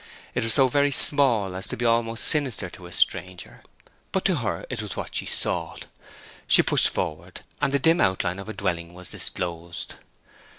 It was so very small as to be almost sinister to a stranger, but to her it was what she sought. She pushed forward, and the dim outline of a dwelling was disclosed.